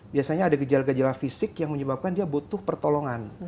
biasanya ada gejala gejala fisik yang menyebabkan dia butuh pertolongan